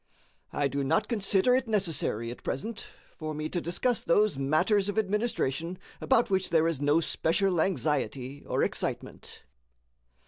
I do not consider it necessary, at present, for me to discuss those matters of administration about which there is no special anxiety, or excitement.